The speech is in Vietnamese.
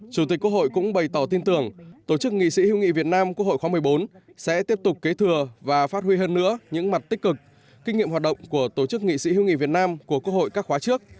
chủ tịch quốc hội cũng bày tỏ tin tưởng tổ chức nghị sĩ hữu nghị việt nam quốc hội khóa một mươi bốn sẽ tiếp tục kế thừa và phát huy hơn nữa những mặt tích cực kinh nghiệm hoạt động của tổ chức nghị sĩ hữu nghị việt nam của quốc hội các khóa trước